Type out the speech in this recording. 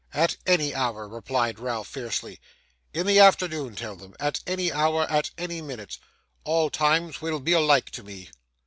'At any hour,' replied Ralph fiercely. 'In the afternoon, tell them. At any hour, at any minute. All times will be alike to me.